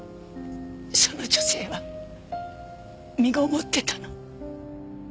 その女性は身ごもってたの。